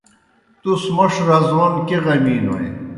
تُس موݜ رزون کیْہ غمِی نوئے؟